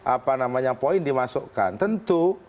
apa namanya poin dimasukkan tentu